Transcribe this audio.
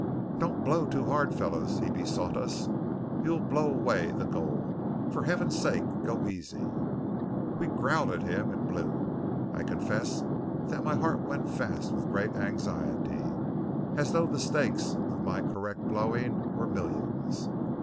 "Don't blow too, hard, fellows," he besought us; "you'll blow away the gold! For heaven's sake, go easy!" We growled at him, and blew. I confess that my heart went fast with great anxiety, as though the stakes of my correct blowing were millions.